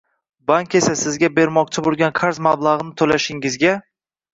Bank esa sizga bermoqchi boʻlgan qarz mablagʻini toʻlashingizga